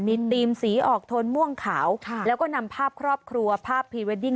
มีธีมสีออกโทนม่วงขาวแล้วก็นำภาพครอบครัวภาพพรีเวดดิ้ง